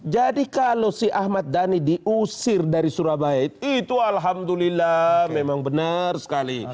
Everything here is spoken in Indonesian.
jadi kalau si ahmad dhani diusir dari surabaya itu alhamdulillah memang benar sekali